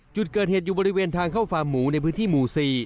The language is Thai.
จุดเกิดเหตุอยู่บริเวณทางเข้าฟาร์มหมูในพื้นที่หมู่๔